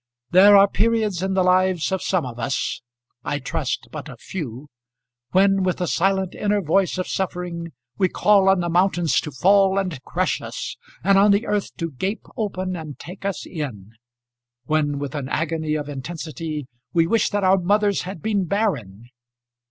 There are periods in the lives of some of us I trust but of few when, with the silent inner voice of suffering, we call on the mountains to fall and crush us, and on the earth to gape open and take us in. When, with an agony of intensity, we wish that our mothers had been barren.